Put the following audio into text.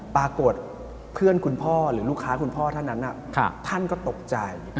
ปรากฏเพื่อนคุณพ่อหรือลูกค้าคุณพ่อท่านนั้นท่านก็ตกใจ